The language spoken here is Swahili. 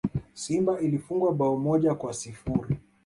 Simba ilifungwa bao moja kwa sifuri